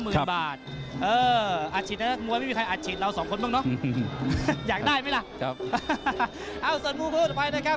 เอ้าส่วนมุมคู่ต่อไปนะครับ